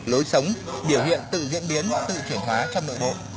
lối sống biểu hiện tự diễn biến tự chuyển hóa trong nội bộ